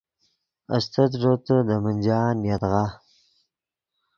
استت ݱوتے دے منجان یدغا